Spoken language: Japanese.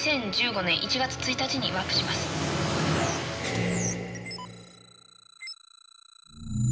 ２０１５年１月１日にワープします。